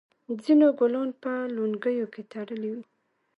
ځینو ګلان په لونګیو کې تړلي وي.